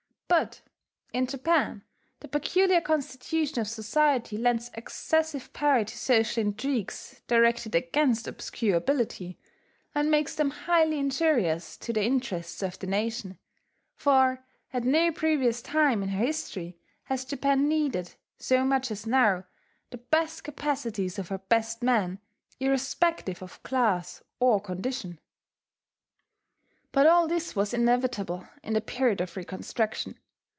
But in Japan the peculiar constitution of society lends excessive power to social intrigues directed against obscure ability, and makes them highly injurious to the interests of the nation; for at no previous time in her history has Japan needed, so much as now, the best capacities of her best men, irrespective of class or condition. But all this was inevitable in the period of reconstruction.